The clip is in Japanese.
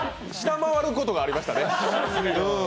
下回ることがありましたね。